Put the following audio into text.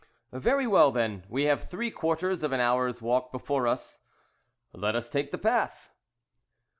"Very well, then, we have three quarters of an hour's walk before us." "Let us take the path."